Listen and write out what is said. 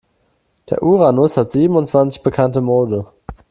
Der Uranus hat siebenundzwanzig bekannte Monde.